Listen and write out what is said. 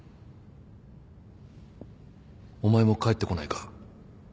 お前も帰ってこないか？